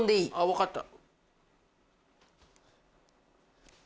分かった。